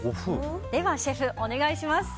では、シェフ、お願いします。